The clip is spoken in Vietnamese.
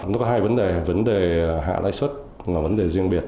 nó có hai vấn đề vấn đề hạ lãi suất là vấn đề riêng biệt